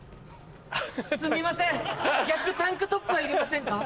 すみません逆タンクトップはいりませんか？